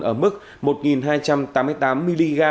ở mức một hai trăm tám mươi tám mg